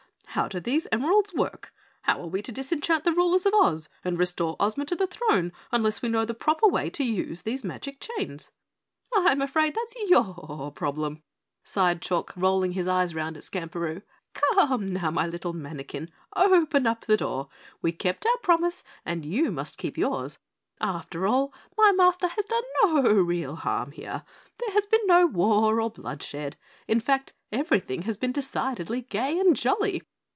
"How do these emeralds work, how are we to disenchant the rulers of Oz and restore Ozma to the throne unless we know the proper way to use these magic chains?" "I'm afraid that's YOUR problem," sighed Chalk, rolling his eyes round at Skamperoo. "Come now, my little mannikin, open up the door. We kept our promise and you must keep yours. After all, my Master has done no real harm here. There has been no war or bloodshed. In fact, everything has been decidedly gay and jolly.